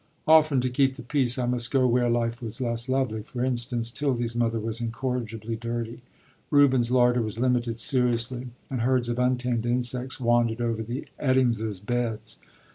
Often, to keep the peace, I must go where life was less lovely; for instance, 'Tildy's mother was incorrigibly dirty, Reuben's larder was limited seriously, and herds of untamed insects wandered over the Eddingses' beds.